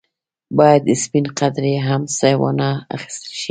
باید د سپڼ قدرې هم څه وانه اخیستل شي.